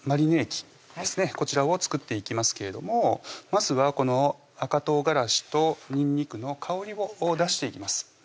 こちらを作っていきますけれどもまずはこの赤唐辛子とにんにくの香りを出していきます